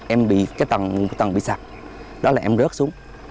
em bị cái tầng bị sạc đó là em rớt xuống